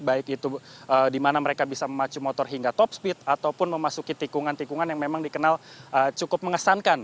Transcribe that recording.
baik itu di mana mereka bisa memacu motor hingga top speed ataupun memasuki tikungan tikungan yang memang dikenal cukup mengesankan